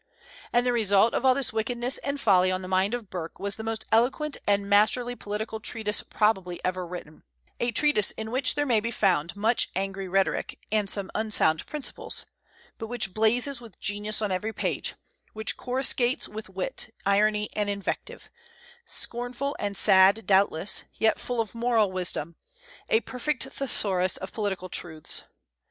And the result of all this wickedness and folly on the mind of Burke was the most eloquent and masterly political treatise probably ever written, a treatise in which there may be found much angry rhetoric and some unsound principles, but which blazes with genius on every page, which coruscates with wit, irony, and invective; scornful and sad doubtless, yet full of moral wisdom; a perfect thesaurus of political truths.